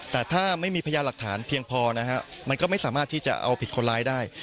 แต่ถ้าไม่มีพยานหลักฐานเพียงพอนะฮะมันก็ไม่สามารถที่จะเอาผิดคนร้ายได้